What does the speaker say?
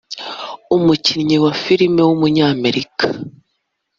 umukinnyikazi wa filime w’umunyamerika